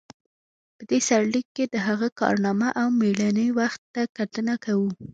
په دې سرلیک کې د هغه کارنامو او د مړینې وخت ته کتنه کوو.